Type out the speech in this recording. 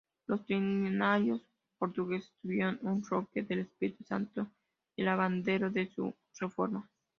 Los trinitarios portugueses tuvieron en Roque del Espíritu Santo el abanderado de su reforma.